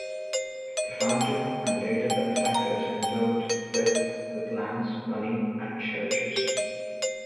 The founder and later benefactors endowed Blyth with lands, money and churches.